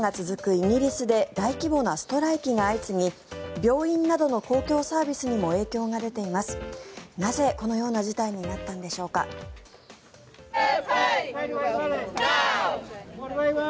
イギリスで大規模なストライキが相次ぎ病院などの公共サービスにも影響が出ています。